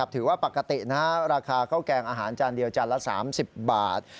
ถือว่าปกติราคาข้าวแกงอาหารจานเดียวจานละ๓๐บาท